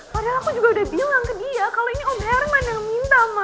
padahal aku juga udah bilang ke dia kalau ini obelan yang minta ma